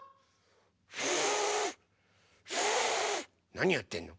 なにやってんの？